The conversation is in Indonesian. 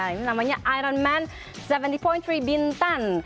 ini namanya iron man tujuh puluh tiga bintan